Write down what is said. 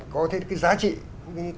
có cái giá trị cái năng lực của nó